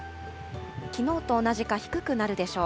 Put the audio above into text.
きのうと同じか低くなるでしょう。